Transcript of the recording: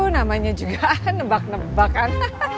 namanya juga nebak nebak kan